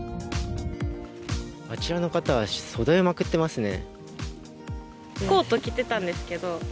あちらの方は袖をまくってますね。